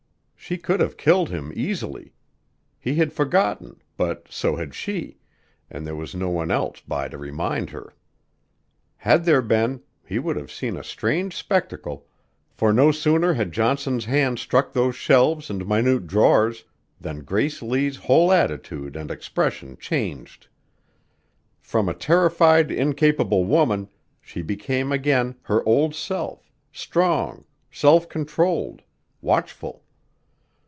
She could have killed him easily. He had forgotten but so had she, and there was no one else by to remind her. Had there been, he would have seen a strange spectacle, for no sooner had Johnson's hand struck those shelves and minute drawers, than Grace Lee's whole attitude and expression changed. From a terrified, incapable woman, she became again her old self, strong, self controlled, watchful.